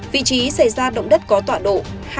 vị trí xảy ra động đất có tọa độ hai mươi một trăm chín mươi sáu